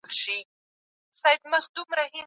سياستپوهنه يو سوله ييز مشرتوب کېدای سي.